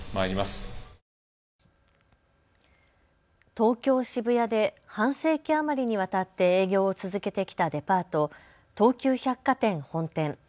東京渋谷で半世紀余りにわたって営業を続けてきたデパート、東急百貨店本店。